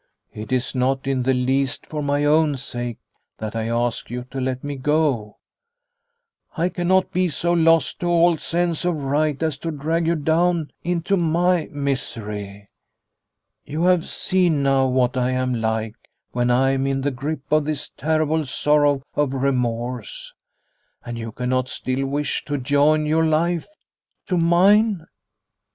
It is not in the least for my own sake that I ask you to let me go. I cannot be so lost to all sense of right as to drag you down into my misery. You have seen now what I am like when I am in the grip of this terrible sorrow of remorse, and you cannot still wish to join your life to mine ?